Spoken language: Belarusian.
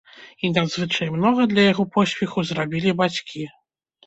І надзвычай многа для яго поспеху зрабілі бацькі.